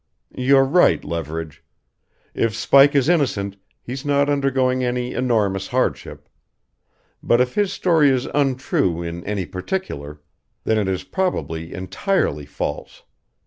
"You're right, Leverage. If Spike is innocent he's not undergoing any enormous hardship. But if his story is untrue in any particular then it is probably entirely false.